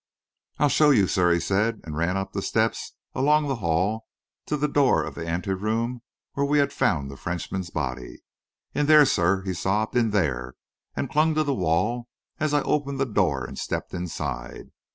"I'll show you, sir," he said, and ran up the steps, along the hall, to the door of the ante room where we had found the Frenchman's body. "In there, sir!" he sobbed. "In there!" and clung to the wall as I opened the door and stepped inside.